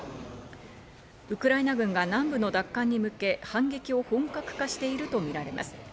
ウクライナ軍が南部の奪還に向け反撃を本格化しているとみられます。